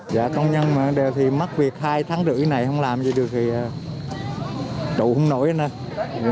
dạ công nhân mà đều thì mắc việc hai tháng rưỡi này không làm gì được thì trụ không nổi nữa